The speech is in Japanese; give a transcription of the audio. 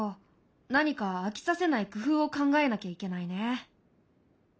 何か飽きさせない工夫を考えなきゃいけないね。